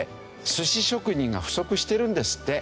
寿司職人が不足してるんですって。